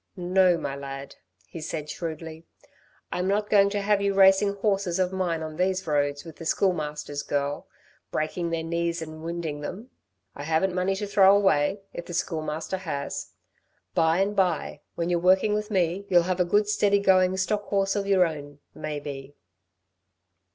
"No, my lad," he said shrewdly. "I'm not going to have you racing horses of mine on these roads with the Schoolmaster's girl breaking their knees and windin' them. I haven't money to throw away, if the Schoolmaster has. By and by, when you're working with me, you'll have a good steady going stock horse of y're own maybe."